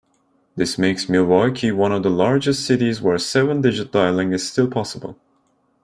This makes Milwaukee one of the largest cities where seven-digit dialing is still possible.